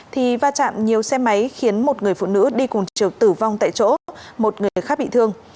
thì va chạm nhiều xe máy khiến một người phụ nữ đi cùng chiều tử vong tại chỗ một người khác bị thương